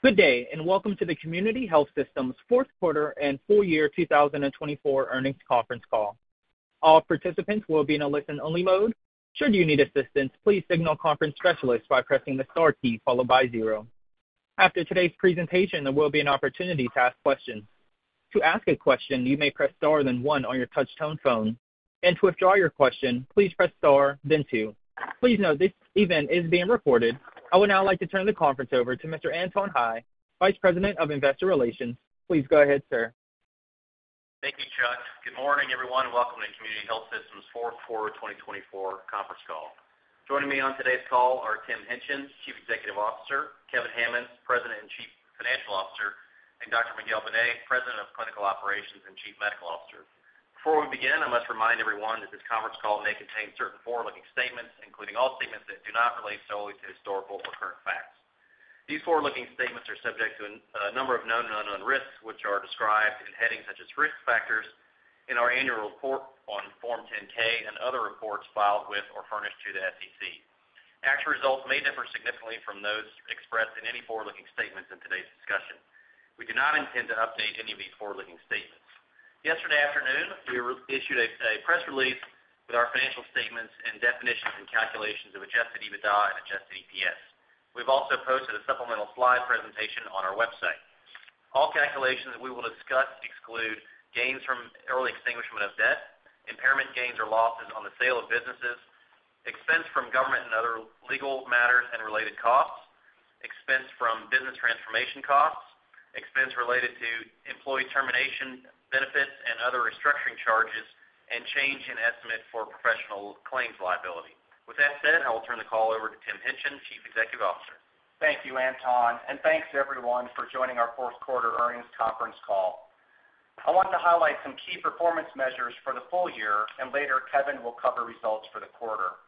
Good day, and welcome to the Community Health Systems Fourth Quarter and Full Year 2024 Earnings Conference Call. All participants will be in a listen-only mode. Should you need assistance, please signal conference specialists by pressing the star key followed by zero. After today's presentation, there will be an opportunity to ask questions. To ask a question, you may press star then one on your touch-tone phone. And to withdraw your question, please press star then two. Please note this event is being recorded. I would now like to turn the conference over to Mr. Anton Hie, Vice President of Investor Relations. Please go ahead, sir. Thank you, Chuck. Good morning, everyone. Welcome to the Community Health Systems Fourth Quarter 2024 Conference Call. Joining me on today's call are Tim Hingtgen, Chief Executive Officer, Kevin Hammons, President and Chief Financial Officer, and Dr. Miguel Benet, President of Clinical Operations and Chief Medical Officer. Before we begin, I must remind everyone that this conference call may contain certain forward-looking statements, including all statements that do not relate solely to historical or current facts. These forward-looking statements are subject to a number of known and unknown risks, which are described in headings such as risk factors in our annual report on Form 10-K and other reports filed with or furnished to the SEC. Actual results may differ significantly from those expressed in any forward-looking statements in today's discussion. We do not intend to update any of these forward-looking statements. Yesterday afternoon, we issued a press release with our financial statements and definitions and calculations of Adjusted EBITDA and Adjusted EPS. We've also posted a supplemental slide presentation on our website. All calculations that we will discuss exclude gains from early extinguishment of debt, impairment gains or losses on the sale of businesses, expense from government and other legal matters and related costs, expense from business transformation costs, expense related to employee termination benefits and other restructuring charges, and change in estimate for professional claims liability. With that said, I will turn the call over to Tim Hingtgen, Chief Executive Officer. Thank you, Anton, and thanks everyone for joining our Fourth Quarter Earnings Conference Call. I want to highlight some key performance measures for the full year, and later Kevin will cover results for the quarter.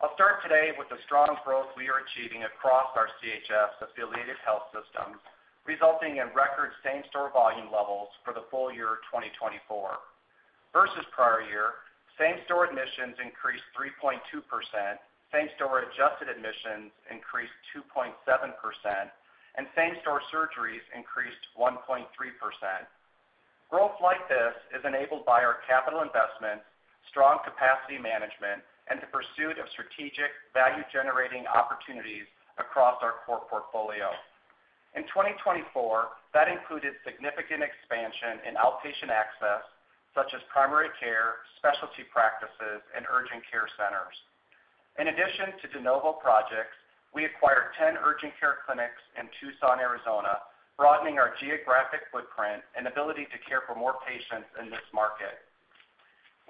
I'll start today with the strong growth we are achieving across our CHS affiliated health systems, resulting in record same-store volume levels for the full year 2024. Versus prior year, same-store admissions increased 3.2%, same-store adjusted admissions increased 2.7%, and same-store surgeries increased 1.3%. Growth like this is enabled by our capital investments, strong capacity management, and the pursuit of strategic value-generating opportunities across our core portfolio. In 2024, that included significant expansion in outpatient access, such as primary care, specialty practices, and urgent care centers. In addition to de novo projects, we acquired 10 urgent care clinics in Tucson, Arizona, broadening our geographic footprint and ability to care for more patients in this market.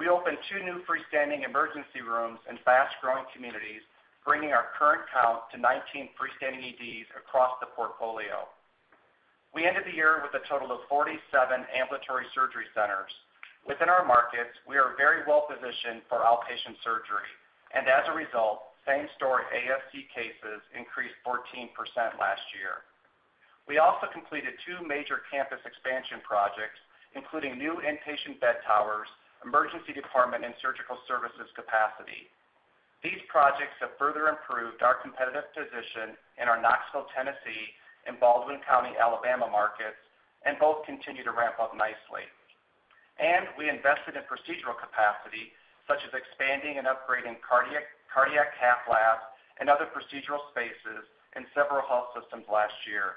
We opened two new freestanding emergency rooms in fast-growing communities, bringing our current count to 19 freestanding EDs across the portfolio. We ended the year with a total of 47 ambulatory surgery centers. Within our markets, we are very well positioned for outpatient surgery, and as a result, same-store ASC cases increased 14% last year. We also completed two major campus expansion projects, including new inpatient bed towers, emergency department, and surgical services capacity. These projects have further improved our competitive position in our Knoxville, Tennessee, and Baldwin County, Alabama markets, and both continue to ramp up nicely, and we invested in procedural capacity, such as expanding and upgrading cardiac cath labs and other procedural spaces in several health systems last year.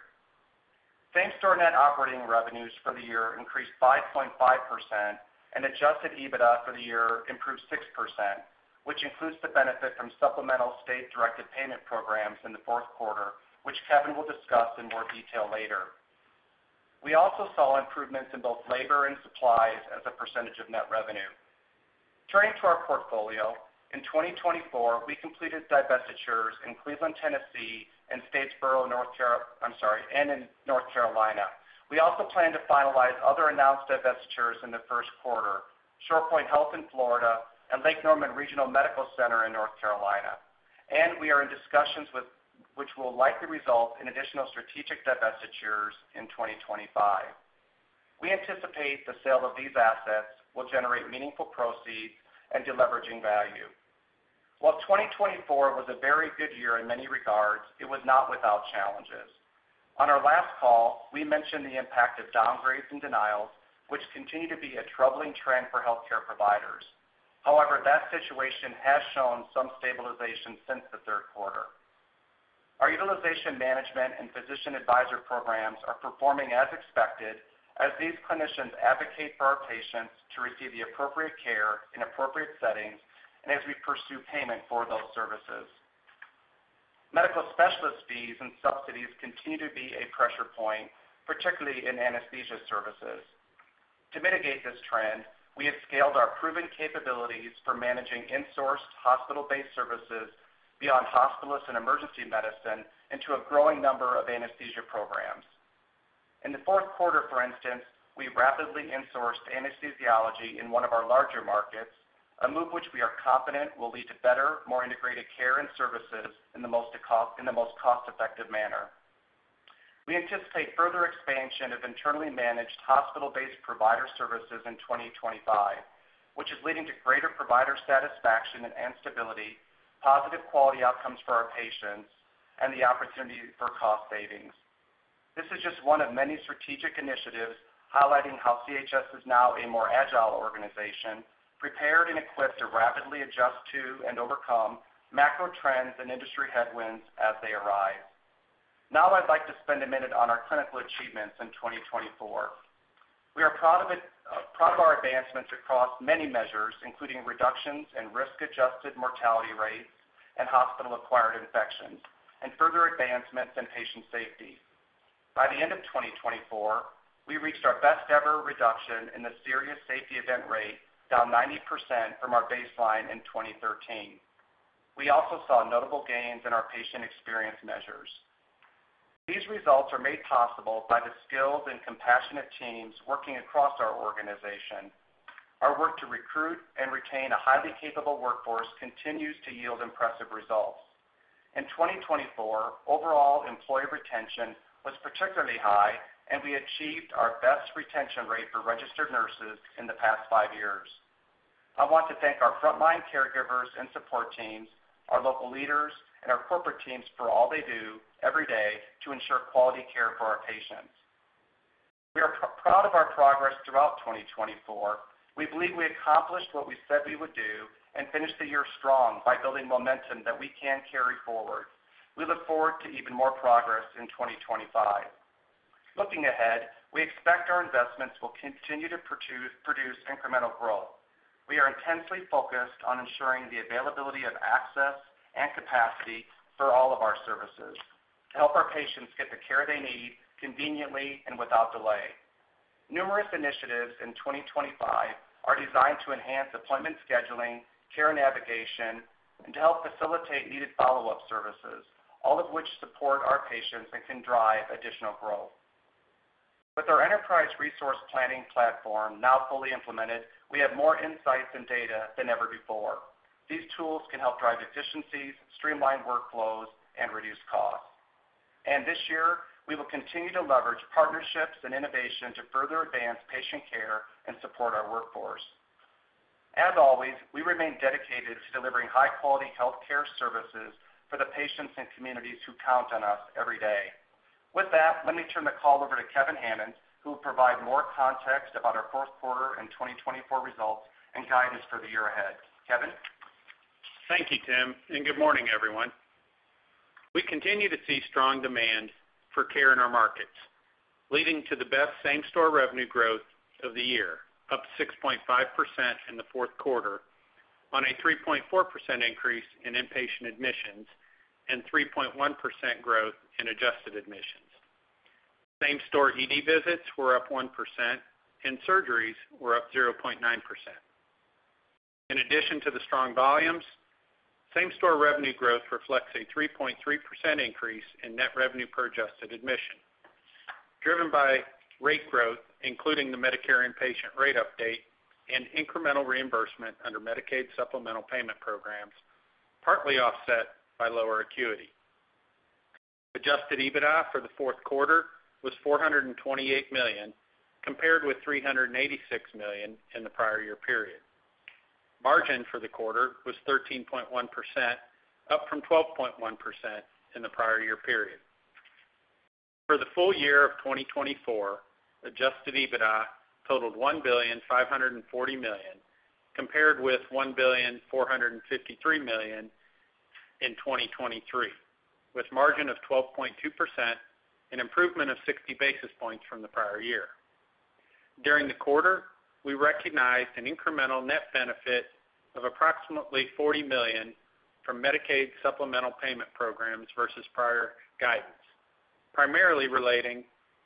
Same-store net operating revenues for the year increased 5.5%, and adjusted EBITDA for the year improved 6%, which includes the benefit from supplemental state-directed payment programs in the fourth quarter, which Kevin will discuss in more detail later. We also saw improvements in both labor and supplies as a percentage of net revenue. Turning to our portfolio, in 2024, we completed divestitures in Cleveland, Tennessee, and Statesville, North Carolina. We also plan to finalize other announced divestitures in the first quarter: ShorePoint Health in Florida and Lake Norman Regional Medical Center in North Carolina, and we are in discussions which will likely result in additional strategic divestitures in 2025. We anticipate the sale of these assets will generate meaningful proceeds and deleveraging value. While 2024 was a very good year in many regards, it was not without challenges. On our last call, we mentioned the impact of downgrades and denials, which continue to be a troubling trend for healthcare providers. However, that situation has shown some stabilization since the third quarter. Our utilization management and physician advisor programs are performing as expected, as these clinicians advocate for our patients to receive the appropriate care in appropriate settings, and as we pursue payment for those services. Medical specialist fees and subsidies continue to be a pressure point, particularly in anesthesia services. To mitigate this trend, we have scaled our proven capabilities for managing insourced hospital-based services beyond hospitalist and emergency medicine into a growing number of anesthesia programs. In the fourth quarter, for instance, we rapidly insourced anesthesiology in one of our larger markets, a move which we are confident will lead to better, more integrated care and services in the most cost-effective manner. We anticipate further expansion of internally managed hospital-based provider services in 2025, which is leading to greater provider satisfaction and stability, positive quality outcomes for our patients, and the opportunity for cost savings. This is just one of many strategic initiatives highlighting how CHS is now a more agile organization, prepared and equipped to rapidly adjust to and overcome macro trends and industry headwinds as they arise. Now, I'd like to spend a minute on our clinical achievements in 2024. We are proud of our advancements across many measures, including reductions in risk-adjusted mortality rates and hospital-acquired infections, and further advancements in patient safety. By the end of 2024, we reached our best-ever reduction in the serious safety event rate, down 90% from our baseline in 2013. We also saw notable gains in our patient experience measures. These results are made possible by the skilled and compassionate teams working across our organization. Our work to recruit and retain a highly capable workforce continues to yield impressive results. In 2024, overall employee retention was particularly high, and we achieved our best retention rate for registered nurses in the past five years. I want to thank our frontline caregivers and support teams, our local leaders, and our corporate teams for all they do every day to ensure quality care for our patients. We are proud of our progress throughout 2024. We believe we accomplished what we said we would do and finished the year strong by building momentum that we can carry forward. We look forward to even more progress in 2025. Looking ahead, we expect our investments will continue to produce incremental growth. We are intensely focused on ensuring the availability of access and capacity for all of our services to help our patients get the care they need conveniently and without delay. Numerous initiatives in 2025 are designed to enhance appointment scheduling, care navigation, and to help facilitate needed follow-up services, all of which support our patients and can drive additional growth. With our enterprise resource planning platform now fully implemented, we have more insights and data than ever before. These tools can help drive efficiencies, streamline workflows, and reduce costs. And this year, we will continue to leverage partnerships and innovation to further advance patient care and support our workforce. As always, we remain dedicated to delivering high-quality healthcare services for the patients and communities who count on us every day. With that, let me turn the call over to Kevin Hammons, who will provide more context about our fourth quarter and 2024 results and guidance for the year ahead. Kevin. Thank you, Tim, and good morning, everyone. We continue to see strong demand for care in our markets, leading to the best same-store revenue growth of the year, up 6.5% in the fourth quarter, on a 3.4% increase in inpatient admissions and 3.1% growth in adjusted admissions. Same-store ED visits were up 1%, and surgeries were up 0.9%. In addition to the strong volumes, same-store revenue growth reflects a 3.3% increase in net revenue per adjusted admission, driven by rate growth, including the Medicare inpatient rate update and incremental reimbursement under Medicaid supplemental payment programs, partly offset by lower acuity. Adjusted EBITDA for the fourth quarter was $428 million, compared with $386 million in the prior year period. Margin for the quarter was 13.1%, up from 12.1% in the prior year period. For the full year of 2024, Adjusted EBITDA totaled $1,540 million, compared with $1,453 million in 2023, with margin of 12.2% and improvement of 60 basis points from the prior year. During the quarter, we recognized an incremental net benefit of approximately $40 million from Medicaid supplemental payment programs versus prior guidance, primarily relating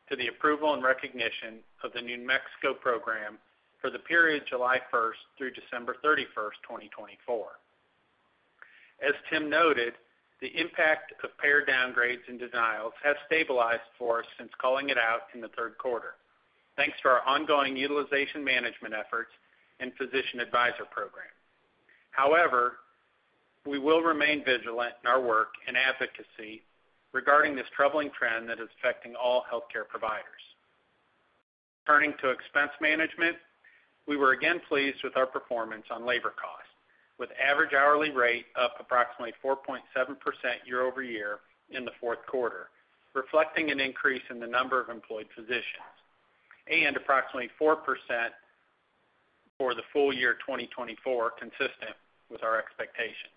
to the approval and recognition of the New Mexico program for the period July 1st through December 31st, 2024. As Tim noted, the impact of payer downgrades and denials has stabilized for us since calling it out in the third quarter, thanks to our ongoing utilization management efforts and physician advisor program. However, we will remain vigilant in our work and advocacy regarding this troubling trend that is affecting all healthcare providers. Turning to expense management, we were again pleased with our performance on labor costs, with average hourly rate up approximately 4.7% year-over-year in the fourth quarter, reflecting an increase in the number of employed physicians, and approximately 4% for the full year 2024, consistent with our expectations.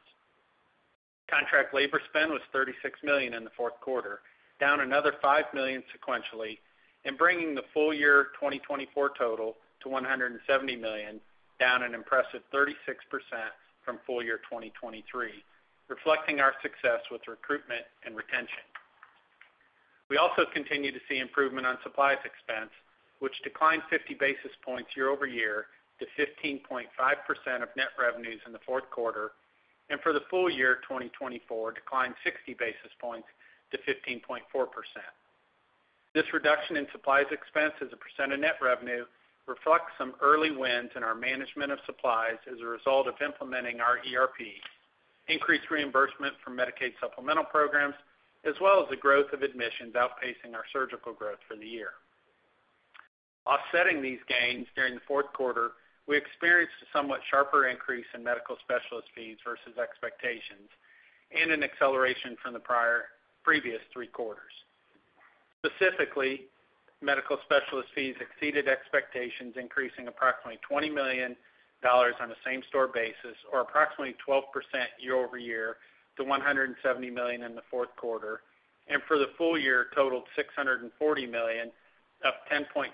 Contract labor spend was $36 million in the fourth quarter, down another $5 million sequentially, and bringing the full year 2024 total to $170 million, down an impressive 36% from full year 2023, reflecting our success with recruitment and retention. We also continue to see improvement on supplies expense, which declined 50 basis points year-over-year to 15.5% of net revenues in the fourth quarter, and for the full year 2024, declined 60 basis points to 15.4%. This reduction in supplies expense as a percent of net revenue reflects some early wins in our management of supplies as a result of implementing our ERP, increased reimbursement from Medicaid supplemental programs, as well as the growth of admissions outpacing our surgical growth for the year. Offsetting these gains during the fourth quarter, we experienced a somewhat sharper increase in medical specialist fees versus expectations and an acceleration from the previous three quarters. Specifically, medical specialist fees exceeded expectations, increasing approximately $20 million on a same-store basis, or approximately 12% year-over-year to $170 million in the fourth quarter, and for the full year, totaled $640 million, up 10.9%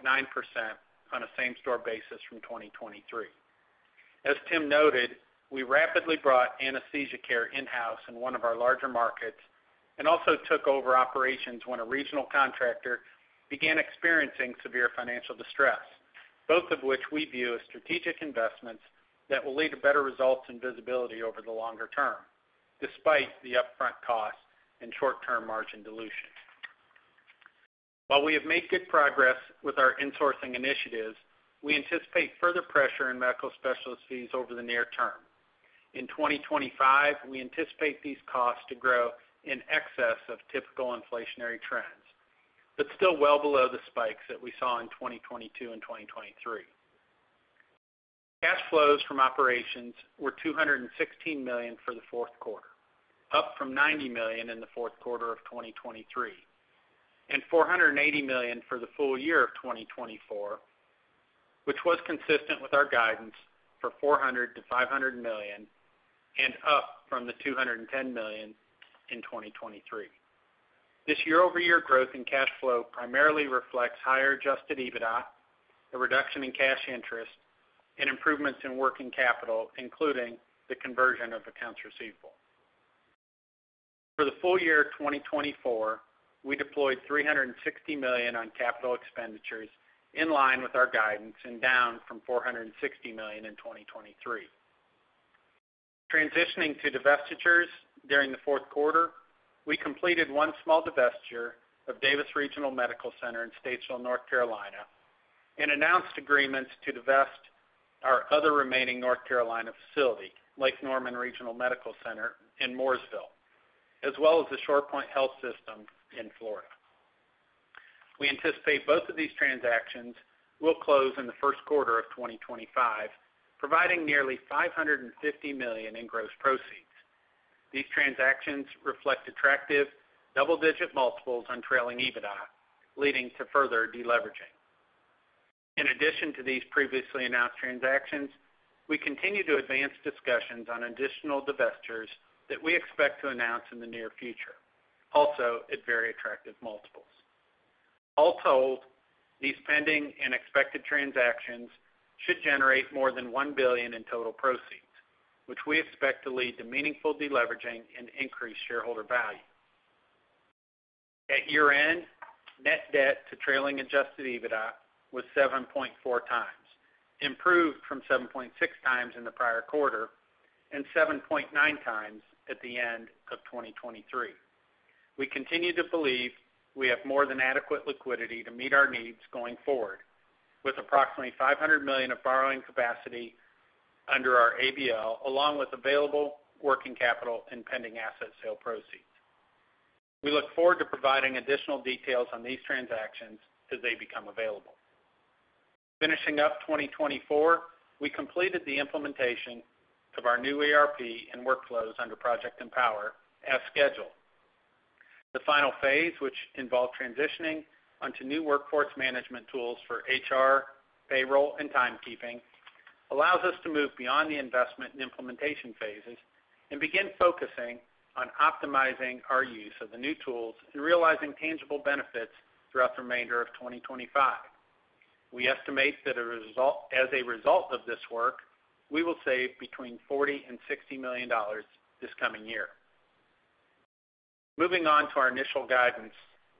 on a same-store basis from 2023. As Tim noted, we rapidly brought anesthesia care in-house in one of our larger markets and also took over operations when a regional contractor began experiencing severe financial distress, both of which we view as strategic investments that will lead to better results and visibility over the longer term, despite the upfront costs and short-term margin dilution. While we have made good progress with our insourcing initiatives, we anticipate further pressure in medical specialist fees over the near term. In 2025, we anticipate these costs to grow in excess of typical inflationary trends, but still well below the spikes that we saw in 2022 and 2023. Cash flows from operations were $216 million for the fourth quarter, up from $90 million in the fourth quarter of 2023, and $480 million for the full year of 2024, which was consistent with our guidance for $400 million-$500 million, and up from the $210 million in 2023. This year-over-year growth in cash flow primarily reflects higher Adjusted EBITDA, a reduction in cash interest, and improvements in working capital, including the conversion of accounts receivable. For the full year 2024, we deployed $360 million on capital expenditures in line with our guidance and down from $460 million in 2023. Transitioning to divestitures during the fourth quarter, we completed one small divestiture of Davis Regional Medical Center in Statesville, North Carolina, and announced agreements to divest our other remaining North Carolina facility, Lake Norman Regional Medical Center in Mooresville, as well as the ShorePoint Health System in Florida. We anticipate both of these transactions will close in the first quarter of 2025, providing nearly $550 million in gross proceeds. These transactions reflect attractive double-digit multiples on trailing EBITDA, leading to further deleveraging. In addition to these previously announced transactions, we continue to advance discussions on additional divestitures that we expect to announce in the near future, also at very attractive multiples. All told, these pending and expected transactions should generate more than $1 billion in total proceeds, which we expect to lead to meaningful deleveraging and increased shareholder value. At year-end, net debt to trailing adjusted EBITDA was 7.4x, improved from 7.6x in the prior quarter and 7.9x at the end of 2023. We continue to believe we have more than adequate liquidity to meet our needs going forward, with approximately $500 million of borrowing capacity under our ABL, along with available working capital and pending asset sale proceeds. We look forward to providing additional details on these transactions as they become available. Finishing up 2024, we completed the implementation of our new ERP and workflows under Project Empower as scheduled. The final phase, which involved transitioning onto new workforce management tools for HR, payroll, and timekeeping, allows us to move beyond the investment and implementation phases and begin focusing on optimizing our use of the new tools and realizing tangible benefits throughout the remainder of 2025. We estimate that as a result of this work, we will save between $40 million and $60 million this coming year. Moving on to our initial guidance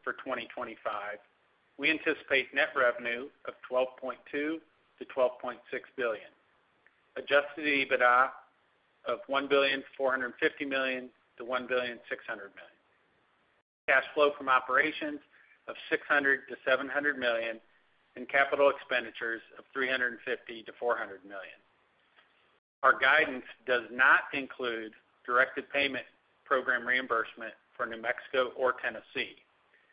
for 2025, we anticipate net revenue of $12.2 billion-$12.6 billion, adjusted EBITDA of $1,450 million-$1,600 million, cash flow from operations of $600 million-$700 million, and capital expenditures of $350 million-$400 million. Our guidance does not include directed payment program reimbursement for New Mexico or Tennessee,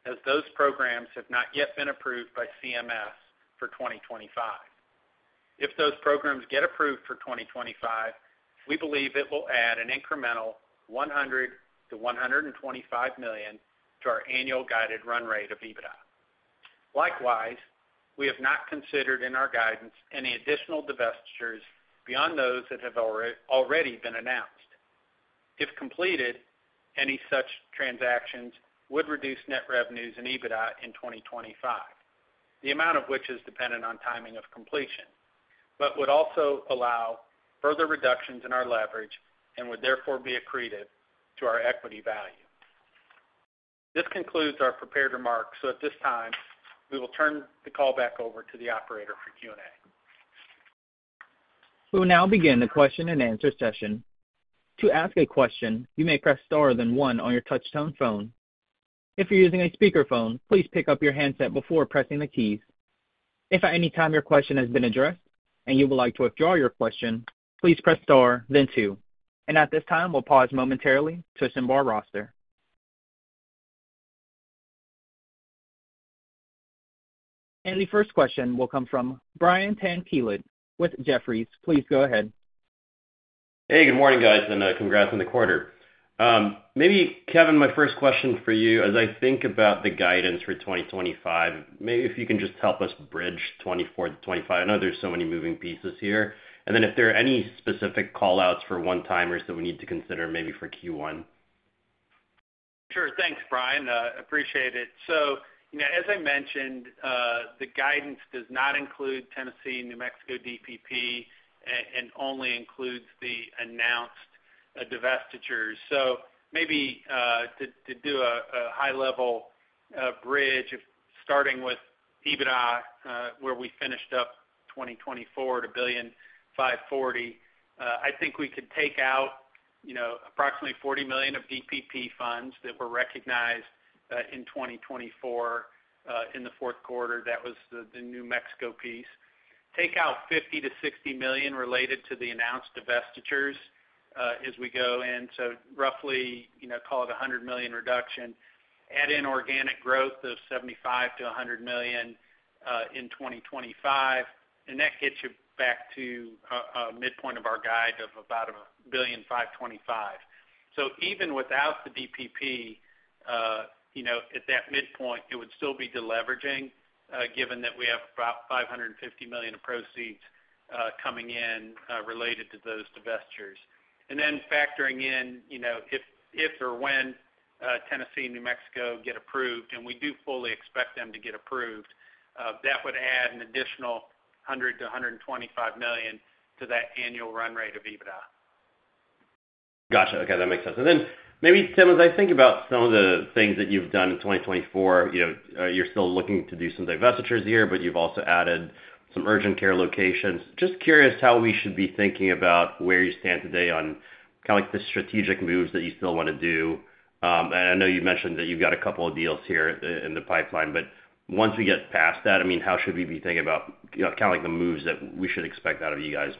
as those programs have not yet been approved by CMS for 2025. If those programs get approved for 2025, we believe it will add an incremental $100 million-$125 million to our annual guided run rate of EBITDA. Likewise, we have not considered in our guidance any additional divestitures beyond those that have already been announced. If completed, any such transactions would reduce net revenues and EBITDA in 2025, the amount of which is dependent on timing of completion, but would also allow further reductions in our leverage and would therefore be accretive to our equity value. This concludes our prepared remarks, so at this time, we will turn the call back over to the operator for Q&A. We will now begin the question and answer session. To ask a question, you may press star then one on your touch-tone phone. If you're using a speakerphone, please pick up your handset before pressing the keys. If at any time your question has been addressed and you would like to withdraw your question, please press star, then two. And at this time, we'll pause momentarily to assemble our roster. And the first question will come from Brian Tanquilut with Jefferies. Please go ahead. Hey, good morning, guys, and congrats on the quarter. Maybe, Kevin, my first question for you as I think about the guidance for 2025, maybe if you can just help us bridge 2024 to 2025. I know there's so many moving pieces here. And then if there are any specific callouts for one-timers that we need to consider, maybe for Q1. Sure. Thanks, Brian. Appreciate it. So, as I mentioned, the guidance does not include Tennessee and New Mexico DPP and only includes the announced divestitures, so maybe to do a high-level bridge, starting with EBITDA, where we finished up 2024 at $1.54 billion. I think we could take out approximately $40 million of DPP funds that were recognized in 2024 in the fourth quarter, that was the New Mexico piece, take out $50 million-$60 million related to the announced divestitures as we go in, so roughly call it a $100 million reduction. Add in organic growth of $75 million-$100 million in 2025, and that gets you back to midpoint of our guide of about $1.525 billion, so even without the DPP, at that midpoint, it would still be deleveraging, given that we have about $550 million of proceeds coming in related to those divestitures. Then factoring in if or when Tennessee and New Mexico get approved, and we do fully expect them to get approved, that would add an additional $100 million-$125 million to that annual run rate of EBITDA. Gotcha. Okay. That makes sense. And then maybe, Tim, as I think about some of the things that you've done in 2024, you're still looking to do some divestitures here, but you've also added some urgent care locations. Just curious how we should be thinking about where you stand today on kind of the strategic moves that you still want to do. And I know you mentioned that you've got a couple of deals here in the pipeline, but once we get past that, I mean, how should we be thinking about kind of the moves that we should expect out of you guys?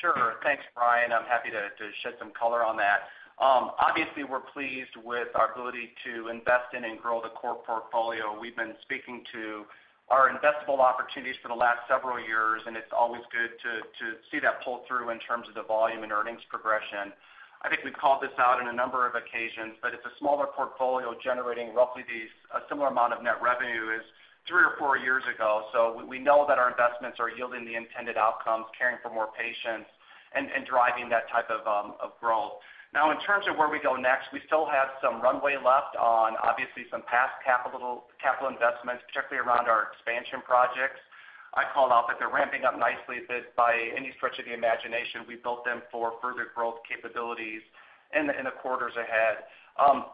Sure. Thanks, Brian. I'm happy to add some color on that. Obviously, we're pleased with our ability to invest in and grow the core portfolio. We've been speaking to our investable opportunities for the last several years, and it's always good to see that pull through in terms of the volume and earnings progression. I think we've called this out on a number of occasions, but it's a smaller portfolio generating roughly a similar amount of net revenue as three or four years ago. So we know that our investments are yielding the intended outcomes, caring for more patients, and driving that type of growth. Now, in terms of where we go next, we still have some runway left on obviously some past capital investments, particularly around our expansion projects. I call out that they're not ramping up nicely by any stretch of the imagination. We built them for further growth capabilities in the quarters ahead.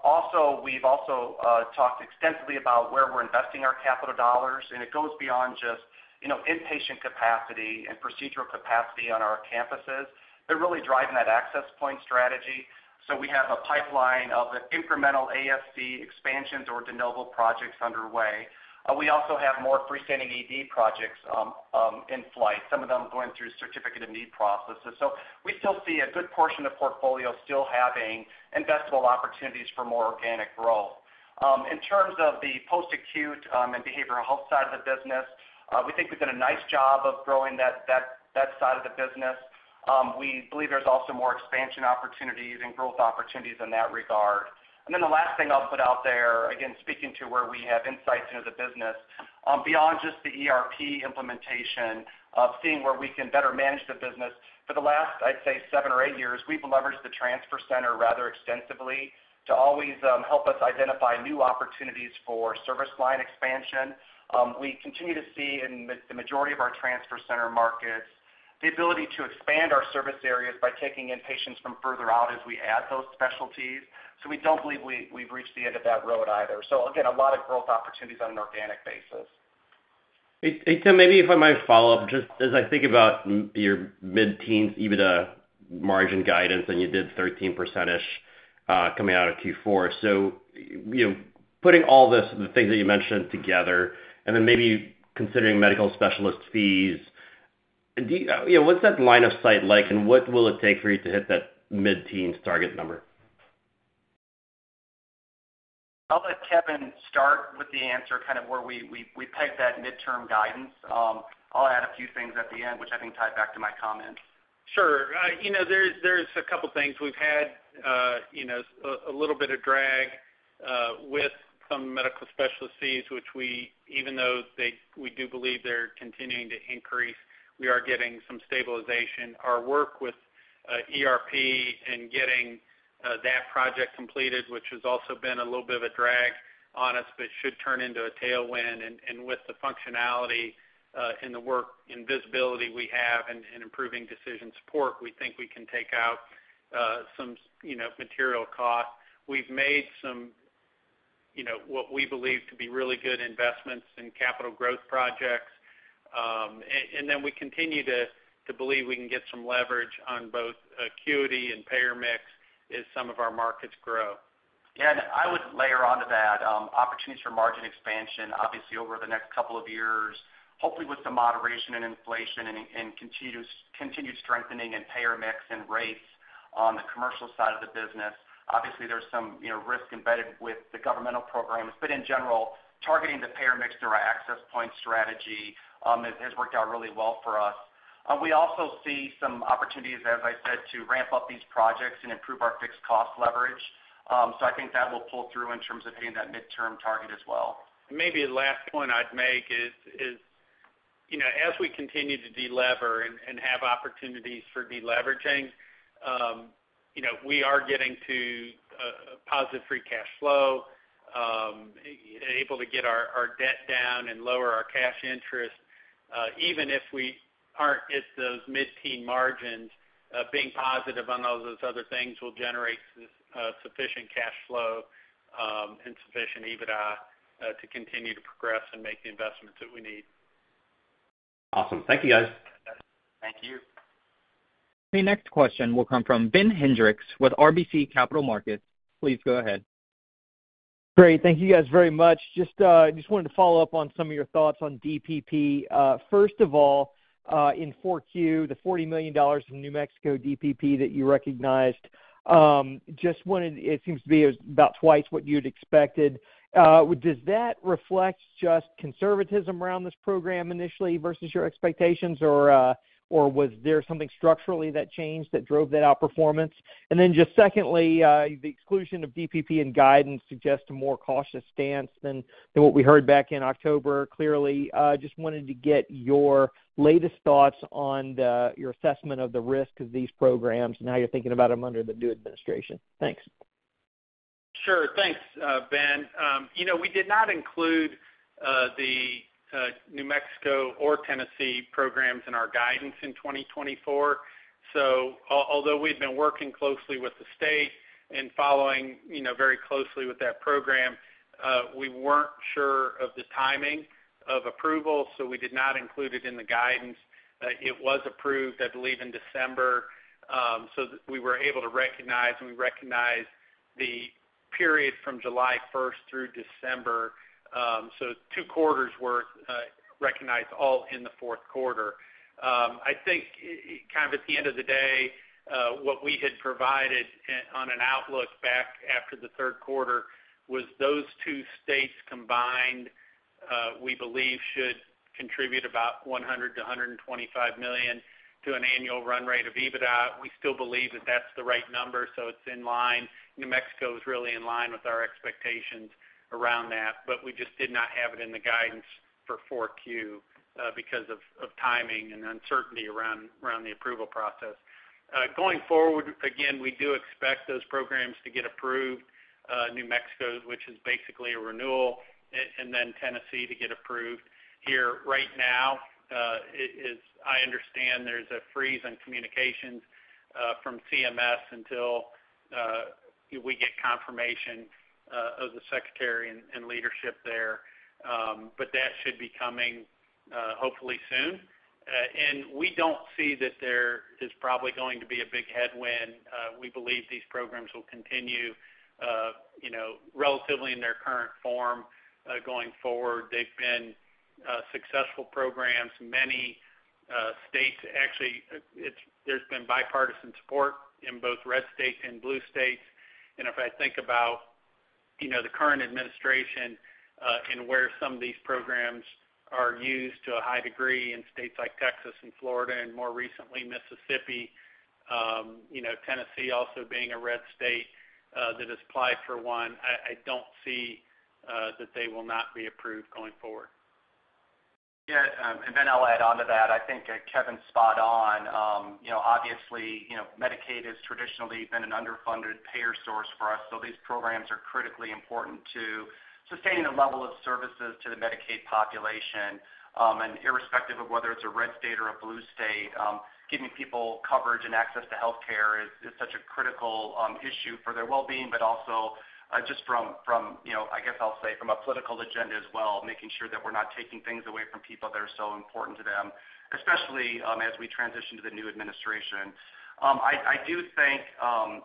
Also, we've also talked extensively about where we're investing our capital dollars, and it goes beyond just inpatient capacity and procedural capacity on our campuses. They're really driving that access point strategy. So we have a pipeline of incremental ASC expansions or de novo projects underway. We also have more freestanding ED projects in flight, some of them going through Certificate of Need processes. So we still see a good portion of the portfolio still having investable opportunities for more organic growth. In terms of the post-acute and behavioral health side of the business, we think we've done a nice job of growing that side of the business. We believe there's also more expansion opportunities and growth opportunities in that regard. And then the last thing I'll put out there, again, speaking to where we have insights into the business, beyond just the ERP implementation, of seeing where we can better manage the business. For the last, I'd say, seven or eight years, we've leveraged the transfer center rather extensively to always help us identify new opportunities for service line expansion. We continue to see in the majority of our transfer center markets the ability to expand our service areas by taking in patients from further out as we add those specialties. So we don't believe we've reached the end of that road either. So again, a lot of growth opportunities on an organic basis. Hey, Tim, maybe if I might follow up, just as I think about your mid-teens EBITDA margin guidance, and you did 13%-ish coming out of Q4. So putting all the things that you mentioned together, and then maybe considering medical specialist fees, what's that line of sight like, and what will it take for you to hit that mid-teens target number? I'll let Kevin start with the answer kind of where we pegged that midterm guidance. I'll add a few things at the end, which I think tied back to my comments. Sure. There's a couple of things. We've had a little bit of drag with some medical specialist fees, which we, even though we do believe they're continuing to increase, we are getting some stabilization. Our work with ERP and getting that project completed, which has also been a little bit of a drag on us, but should turn into a tailwind. And with the functionality and the work and visibility we have in improving decision support, we think we can take out some material costs. We've made some what we believe to be really good investments in capital growth projects. And then we continue to believe we can get some leverage on both acuity and payer mix as some of our markets grow. Yeah. And I would layer onto that opportunities for margin expansion, obviously over the next couple of years, hopefully with some moderation in inflation and continued strengthening in payer mix and rates on the commercial side of the business. Obviously, there's some risk embedded with the governmental programs, but in general, targeting the payer mix through our access point strategy has worked out really well for us. We also see some opportunities, as I said, to ramp up these projects and improve our fixed cost leverage. So I think that will pull through in terms of hitting that midterm target as well. Maybe the last point I'd make is, as we continue to delever and have opportunities for deleveraging, we are getting to positive free cash flow, able to get our debt down and lower our cash interest. Even if we aren't at those mid-teens margins, being positive on all those other things will generate sufficient cash flow and sufficient EBITDA to continue to progress and make the investments that we need. Awesome. Thank you, guys. Thank you. The next question will come from Ben Hendrix with RBC Capital Markets. Please go ahead. Great. Thank you, guys, very much. Just wanted to follow up on some of your thoughts on DPP. First of all, in 4Q, the $40 million from New Mexico DPP that you recognized, just wanted it seems to be about twice what you'd expected. Does that reflect just conservatism around this program initially versus your expectations, or was there something structurally that changed that drove that outperformance? And then just secondly, the exclusion of DPP and guidance suggests a more cautious stance than what we heard back in October. Clearly, just wanted to get your latest thoughts on your assessment of the risk of these programs and how you're thinking about them under the new administration. Thanks. Sure. Thanks, Ben. We did not include the New Mexico or Tennessee programs in our guidance in 2024. So although we'd been working closely with the state and following very closely with that program, we weren't sure of the timing of approval, so we did not include it in the guidance. It was approved, I believe, in December. So we were able to recognize, and we recognized the period from July 1st through December. So two quarters were recognized all in the fourth quarter. I think kind of at the end of the day, what we had provided on an outlook back after the third quarter was those two states combined, we believe, should contribute about $100 million-$125 million to an annual run rate of EBITDA. We still believe that that's the right number, so it's in line. New Mexico is really in line with our expectations around that, but we just did not have it in the guidance for 4Q because of timing and uncertainty around the approval process. Going forward, again, we do expect those programs to get approved, New Mexico, which is basically a renewal, and then Tennessee to get approved. Here, right now, as I understand, there's a freeze on communications from CMS until we get confirmation of the secretary and leadership there. But that should be coming hopefully soon. And we don't see that there is probably going to be a big headwind. We believe these programs will continue relatively in their current form going forward. They've been successful programs. Many states, actually, there's been bipartisan support in both red states and blue states. If I think about the current administration and where some of these programs are used to a high degree in states like Texas and Florida and more recently Mississippi, Tennessee also being a red state that has applied for one, I don't see that they will not be approved going forward. Yeah. And then I'll add on to that. I think Kevin's spot on. Obviously, Medicaid has traditionally been an underfunded payer source for us. So these programs are critically important to sustaining the level of services to the Medicaid population. And irrespective of whether it's a red state or a blue state, giving people coverage and access to healthcare is such a critical issue for their well-being, but also just from, I guess I'll say, from a political agenda as well, making sure that we're not taking things away from people that are so important to them, especially as we transition to the new administration. I do think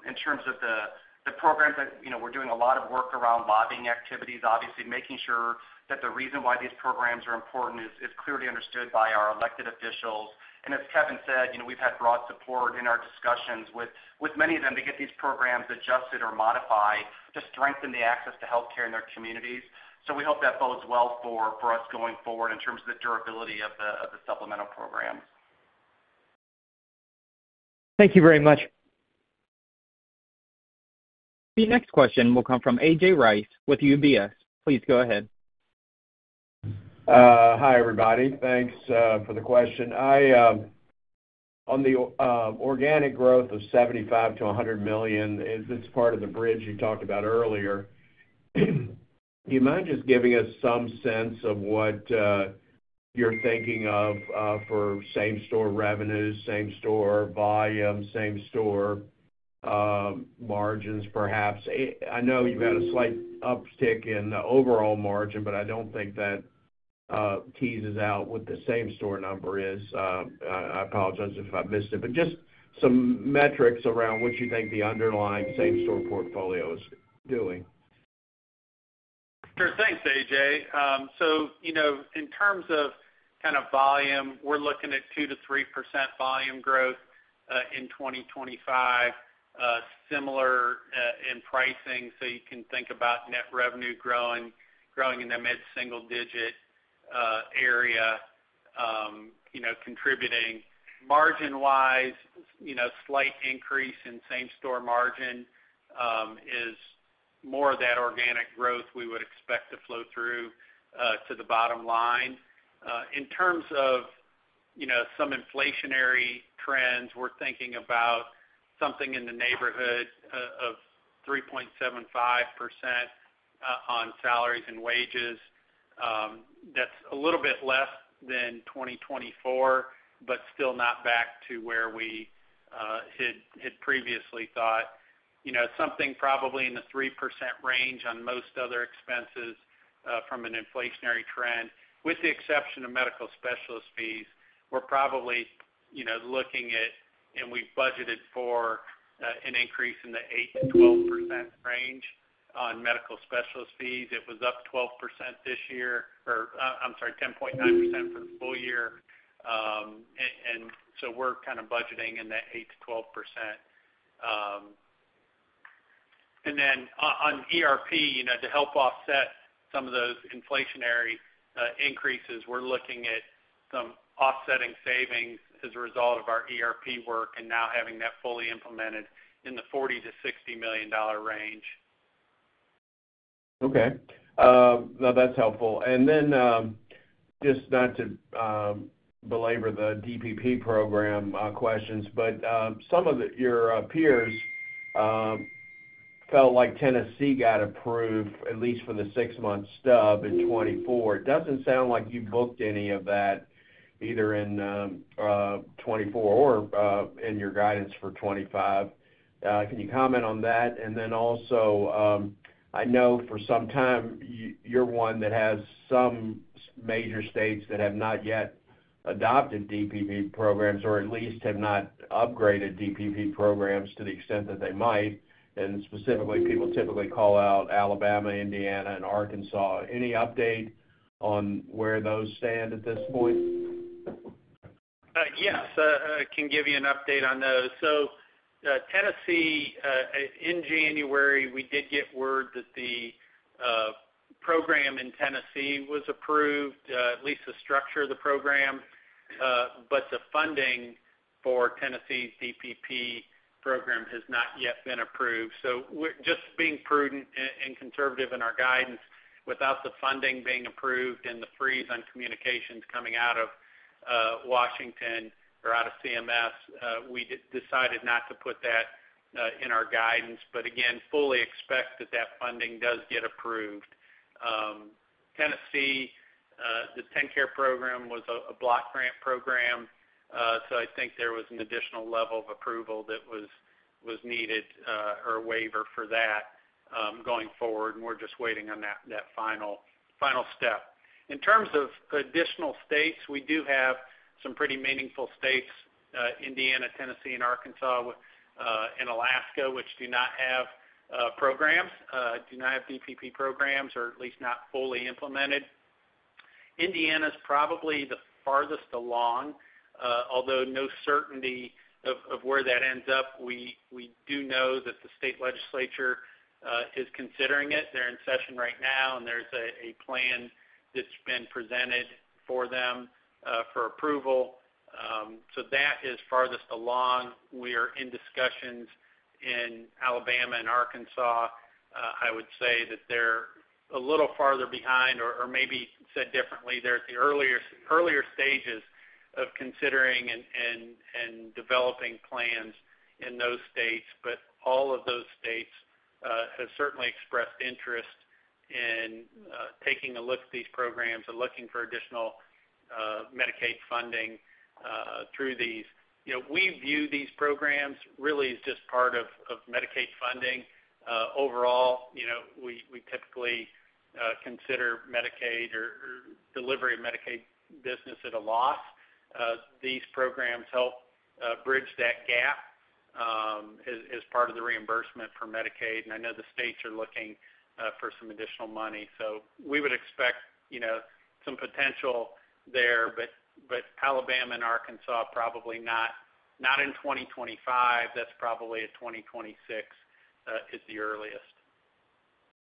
in terms of the programs, we're doing a lot of work around lobbying activities, obviously, making sure that the reason why these programs are important is clearly understood by our elected officials. As Kevin said, we've had broad support in our discussions with many of them to get these programs adjusted or modified to strengthen the access to healthcare in their communities. We hope that bodes well for us going forward in terms of the durability of the supplemental programs. Thank you very much. The next question will come from AJ Rice with UBS. Please go ahead. Hi, everybody. Thanks for the question. On the organic growth of $75 million-$100 million, this part of the bridge you talked about earlier, do you mind just giving us some sense of what you're thinking of for same-store revenues, same-store volume, same-store margins, perhaps? I know you've had a slight uptick in the overall margin, but I don't think that teases out what the same-store number is. I apologize if I missed it, but just some metrics around what you think the underlying same-store portfolio is doing. Sure. Thanks, AJ. So in terms of kind of volume, we're looking at 2-3% volume growth in 2025, similar in pricing. So you can think about net revenue growing in the mid-single-digit area, contributing. Margin-wise, slight increase in same-store margin is more of that organic growth we would expect to flow through to the bottom line. In terms of some inflationary trends, we're thinking about something in the neighborhood of 3.75% on salaries and wages. That's a little bit less than 2024, but still not back to where we had previously thought. Something probably in the 3% range on most other expenses from an inflationary trend, with the exception of medical specialist fees. We're probably looking at, and we've budgeted for an increase in the 8-12% range on medical specialist fees. It was up 12% this year, or I'm sorry, 10.9% for the full year, and so we're kind of budgeting in that 8%-12%, and then on ERP, to help offset some of those inflationary increases, we're looking at some offsetting savings as a result of our ERP work and now having that fully implemented in the $40 million-$60 million range. Okay. No, that's helpful. And then just not to belabor the DPP program questions, but some of your peers felt like Tennessee got approved, at least for the six-month stub in 2024. It doesn't sound like you booked any of that either in 2024 or in your guidance for 2025. Can you comment on that? And then also, I know for some time you're one that has some major states that have not yet adopted DPP programs or at least have not upgraded DPP programs to the extent that they might. And specifically, people typically call out Alabama, Indiana, and Arkansas. Any update on where those stand at this point? Yes. I can give you an update on those, so Tennessee, in January, we did get word that the program in Tennessee was approved, at least the structure of the program, but the funding for Tennessee's DPP program has not yet been approved, so just being prudent and conservative in our guidance, without the funding being approved and the freeze on communications coming out of Washington or out of CMS, we decided not to put that in our guidance, but again, fully expect that that funding does get approved. Tennessee, the TennCare program was a block grant program, so I think there was an additional level of approval that was needed or a waiver for that going forward, and we're just waiting on that final step. In terms of additional states, we do have some pretty meaningful states, Indiana, Tennessee, and Arkansas, and Alaska, which do not have programs, do not have DPP programs, or at least not fully implemented. Indiana is probably the farthest along, although no certainty of where that ends up. We do know that the state legislature is considering it. They're in session right now, and there's a plan that's been presented for them for approval. So that is farthest along. We are in discussions in Alabama and Arkansas. I would say that they're a little farther behind, or maybe said differently, they're at the earlier stages of considering and developing plans in those states. But all of those states have certainly expressed interest in taking a look at these programs and looking for additional Medicaid funding through these. We view these programs really as just part of Medicaid funding. Overall, we typically consider Medicaid or delivery of Medicaid business at a loss. These programs help bridge that gap as part of the reimbursement for Medicaid, and I know the states are looking for some additional money. So we would expect some potential there, but Alabama and Arkansas, probably not in 2025. That's probably in 2026 is the earliest.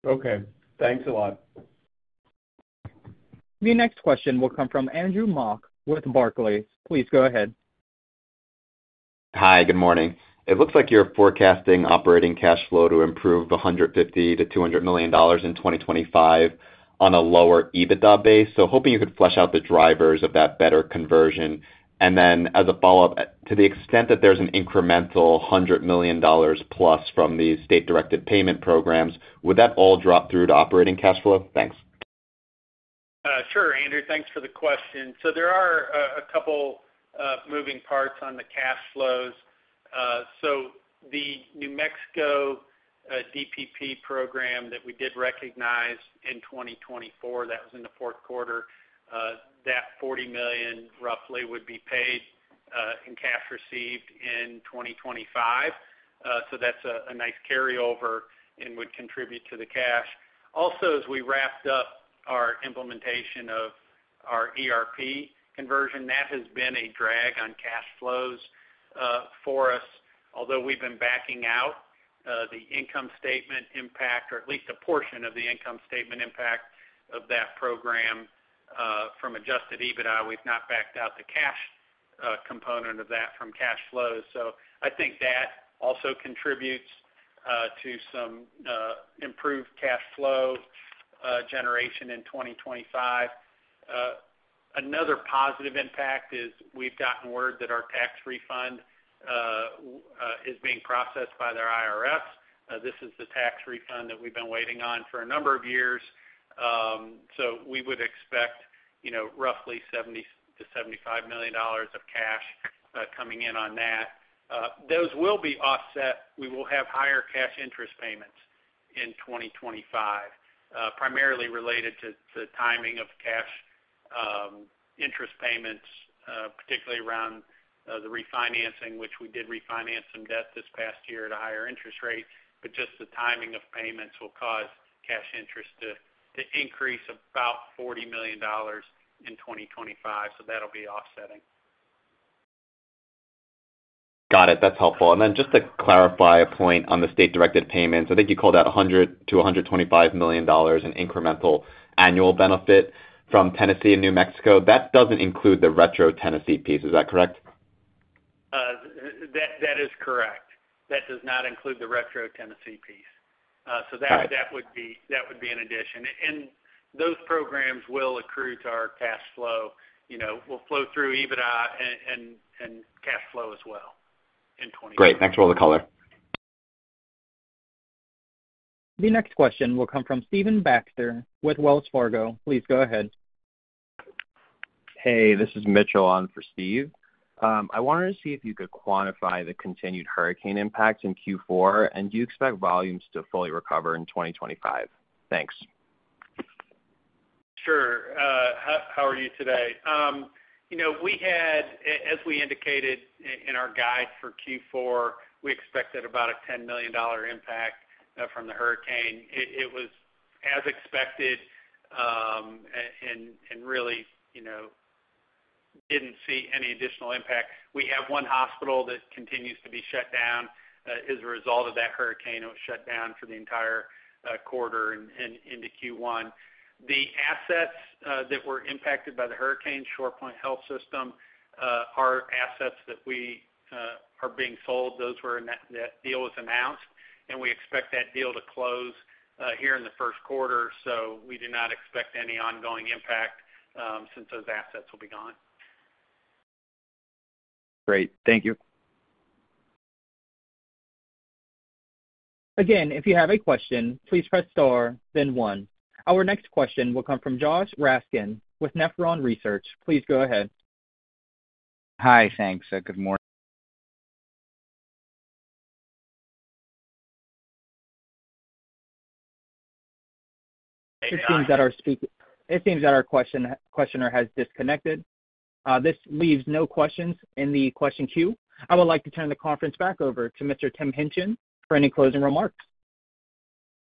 Okay. Thanks a lot. The next question will come from Andrew Mok with Barclays. Please go ahead. Hi, good morning. It looks like you're forecasting operating cash flow to improve $150 million-$200 million in 2025 on a lower EBITDA base. So hoping you could flesh out the drivers of that better conversion. And then as a follow-up, to the extent that there's an incremental $100 million plus from these state-directed payment programs, would that all drop through to operating cash flow? Thanks. Sure, Andrew. Thanks for the question. So there are a couple moving parts on the cash flows. So the New Mexico DPP program that we did recognize in 2024, that was in the fourth quarter, that $40 million roughly would be paid in cash received in 2025. So that's a nice carryover and would contribute to the cash. Also, as we wrapped up our implementation of our ERP conversion, that has been a drag on cash flows for us. Although we've been backing out the income statement impact, or at least a portion of the income statement impact of that program from adjusted EBITDA, we've not backed out the cash component of that from cash flows. So I think that also contributes to some improved cash flow generation in 2025. Another positive impact is we've gotten word that our tax refund is being processed by the IRS. This is the tax refund that we've been waiting on for a number of years. So we would expect roughly $70 million-$75 million of cash coming in on that. Those will be offset. We will have higher cash interest payments in 2025, primarily related to the timing of cash interest payments, particularly around the refinancing, which we did refinance some debt this past year at a higher interest rate. But just the timing of payments will cause cash interest to increase about $40 million in 2025. So that'll be offsetting. Got it. That's helpful. And then just to clarify a point on the state-directed payments, I think you called out $100 million-$125 million in incremental annual benefit from Tennessee and New Mexico. That doesn't include the retro-Tennessee piece. Is that correct? That is correct. That does not include the retro-Tennessee piece. So that would be an addition. And those programs will accrue to our cash flow. We'll flow through EBITDA and cash flow as well in 2025. Great. Thanks for all the color. The next question will come from Stephen Baxter with Wells Fargo. Please go ahead. Hey, this is Mitchell on for Stephen. I wanted to see if you could quantify the continued hurricane impacts in Q4, and do you expect volumes to fully recover in 2025? Thanks. Sure. How are you today? As we indicated in our guide for Q4, we expected about a $10 million impact from the hurricane. It was as expected and really didn't see any additional impact. We have one hospital that continues to be shut down as a result of that hurricane. It was shut down for the entire quarter into Q1. The assets that were impacted by the hurricane, ShorePoint Health System, are assets that are being sold. That deal was announced, and we expect that deal to close here in the first quarter. So we do not expect any ongoing impact since those assets will be gone. Great. Thank you. Again, if you have a question, please press star, then one. Our next question will come from Joshua Raskin with Nephron Research. Please go ahead. Hi, thanks. Good morning. Hey, Josh. It seems that our questioner has disconnected. This leaves no questions in the question queue. I would like to turn the conference back over to Mr. Tim Hingtgen for any closing remarks.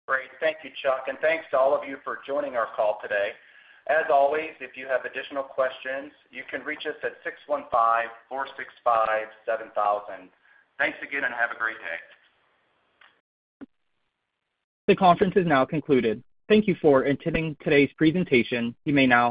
Great. Thank you, Chuck. And thanks to all of you for joining our call today. As always, if you have additional questions, you can reach us at 615-465-7000. Thanks again and have a great day. The conference is now concluded. Thank you for attending today's presentation. You may now.